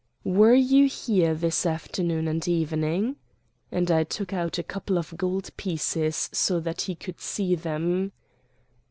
"Were you here this afternoon and evening?" and I took out a couple of gold pieces so that he could see them.